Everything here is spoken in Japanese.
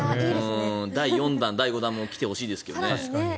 第４弾、第５弾も来てほしいですけどね。